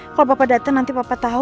kalau papa datang nanti papa tau